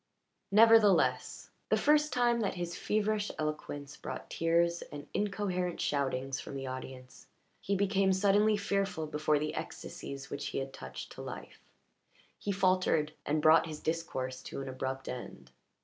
Nevertheless, the first time that his feverish eloquence brought tears and incoherent shoutings from the audience, he became suddenly fearful before the ecstasies which he had touched to life, he faltered, and brought his discourse to an abrupt end.